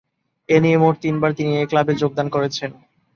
এ নিয়ে মোট তিনবার তিনি এ ক্লাবে যোগদান করেছেন।